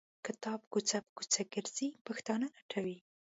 کتاب کوڅه په کوڅه ګرځي پښتانه لټوي.